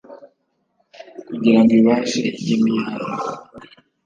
kugira ngo ibashe ijyemo iyayo